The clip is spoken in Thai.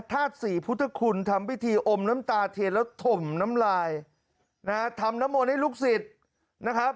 ธาตุสี่พุทธคุณทำพิธีอมน้ำตาเทียนแล้วถมน้ำลายนะฮะทำน้ำมนต์ให้ลูกศิษย์นะครับ